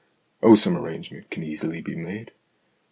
"Oh, some arrangement can easily be made.